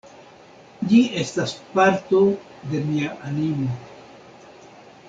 Ĝi estas parto de mia animo.